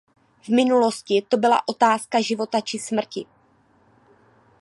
V minulosti to byla otázka života či smrti.